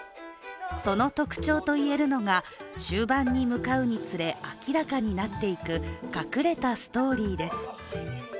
その特徴と言えるのが終盤に向かうにつれ明らかになっていく、隠れたストーリーです。